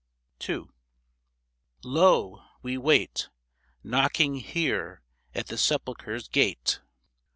Lo ! we wait Knocking here at the sepulchre's gate